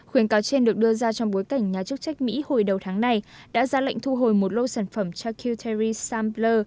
khuyến cáo trên được đưa ra trong bối cảnh nhà chức trách mỹ hồi đầu tháng này đã ra lệnh thu hồi một lô sản phẩm chakeutery sampler